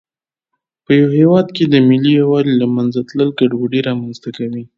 په یوه هېواد کې د ملي یووالي له منځه تلل ګډوډي رامنځته کوي.